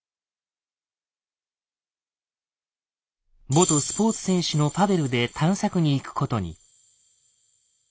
元スポーツ選手のパヴェルで探索に行くことに。